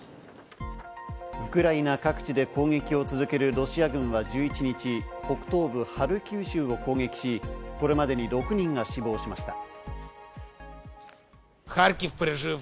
ウクライナ各地で攻撃を続けるロシア軍は１１日、北東部ハルキウ州を攻撃し、これまでに６人が死亡しました。